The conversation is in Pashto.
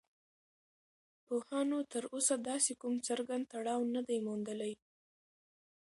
پوهانو تر اوسه داسې کوم څرگند تړاو نه دی موندلی